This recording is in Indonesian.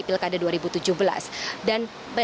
seperti yang dilakukan pada dua ribu tujuh belas